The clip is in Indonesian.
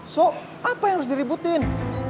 so apa yang harus diributin